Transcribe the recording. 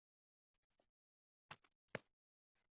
那么首先要去密西西比州汉考克县！